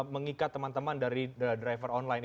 mengikat teman teman dari driver online